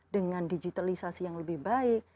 dengan digitalisasi yang lebih baik